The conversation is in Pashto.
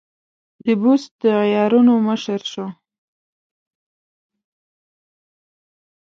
د بست د عیارانو مشر شو.